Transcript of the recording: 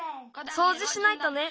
そうじしないとね。